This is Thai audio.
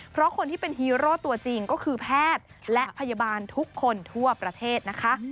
เพราะคนที่เป็นฮีโร่ตัวจริงก็คือแพทย์และพยาบาลทุกคนทั่วประเทศนะคะ